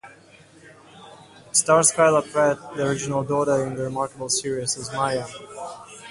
It stars Kyla Pratt, the original daughter in the remake series, as Maya.